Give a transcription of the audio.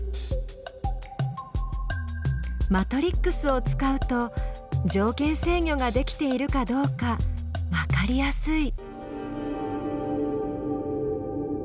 マトリックスを使うと条件制御ができているかどうかわかりやすい。